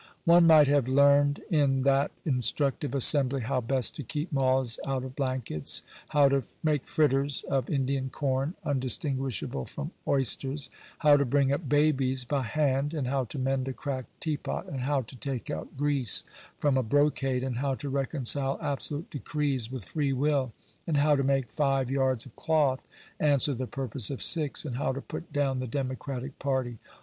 One might have learned in that instructive assembly how best to keep moths out of blankets, how to make fritters of Indian corn undistinguishable from oysters: how to bring up babies by hand, and how to mend a cracked teapot, and how to take out grease from a brocade, and how to reconcile absolute decrees with free will, and how to make five yards of cloth answer the purpose of six, and how to put down the democratic party.